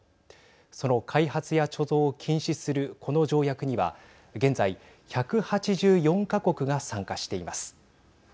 その開発や貯蔵を禁止するこの条約には現在１８４か国が参加しています。